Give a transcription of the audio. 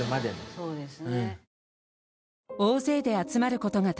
そうですね。